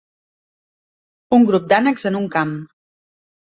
Un grup d'ànecs en un camp.